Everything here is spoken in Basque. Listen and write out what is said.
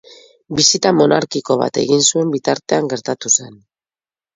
Bisita monarkiko bat egiten zuen bitartean gertatu zen.